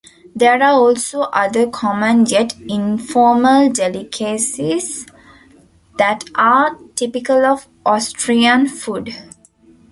There are also other common yet informal delicacies that are typical of Austrian food.